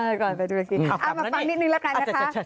เออก่อนไปตุรกีเอามาฟังนิดหนึ่งแล้วกันนะคะ